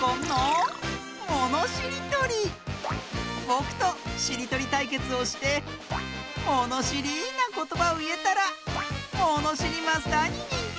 ぼくとしりとりたいけつをしてものしりなことばをいえたらものしりマスターににんてい！